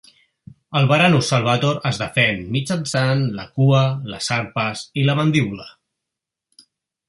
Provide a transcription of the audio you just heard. El Varanus salvator es defèn mitjançant la cua, les arpes i la mandíbula.